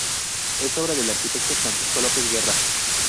Es obra del arquitecto Francisco López Guerra.